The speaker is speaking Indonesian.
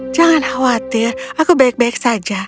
jangan khawatir aku baik baik saja